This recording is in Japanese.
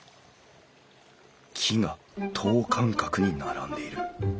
木が等間隔に並んでいる。